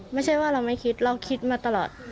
ไม่ใช่ว่าเราไม่คิดเราคิดมาตลอด